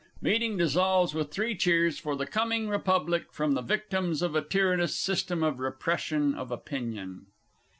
Meeting dissolves with three cheers for the coming Republic from the victims of a Tyrannous System of Repression of Opinion.